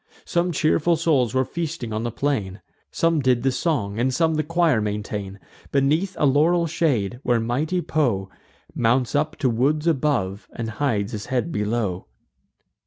Some cheerful souls were feasting on the plain; Some did the song, and some the choir maintain, Beneath a laurel shade, where mighty Po Mounts up to woods above, and hides his head below.